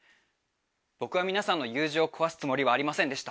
僕は皆さんの友情を壊すつもりはありませんでした。